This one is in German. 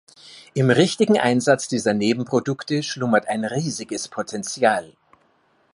Im richtigen Einsatz dieser Nebenprodukte schlummert ein riesiges Potenzial.